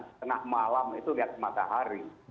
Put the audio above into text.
setengah malam itu lihat matahari